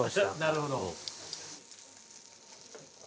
なるほど。